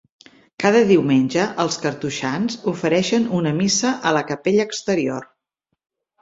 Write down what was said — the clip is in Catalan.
Cada diumenge els cartoixans ofereixen una missa a la capella exterior.